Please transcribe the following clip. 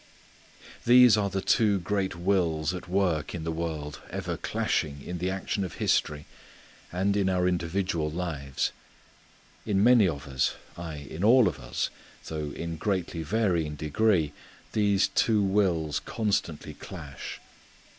There are the two great wills at work in the world ever clashing in the action of history and in our individual lives. In many of us, aye, in all of us, though in greatly varying degree, these two wills constantly clash.